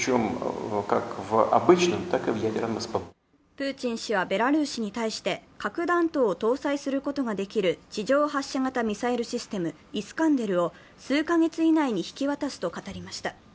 プーチン氏はベラルーシに対して核弾頭を搭載することができる地上発射型ミサイルシステム、イスカンデルを数カ月以内に引き渡すと語りました。